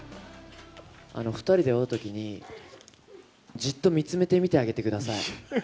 ２人で会うときに、じっと見つめてみてあげてください。